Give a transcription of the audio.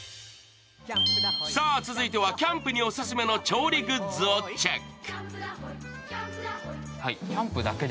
さあ続いてはキャンプにオススメの調理グッズをチェック。